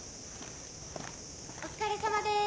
お疲れさまです。